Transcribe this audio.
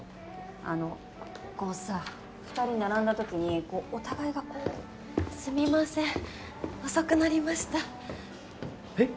あのこうさ２人並んだ時にお互いがこうすみません遅くなりましたえっ？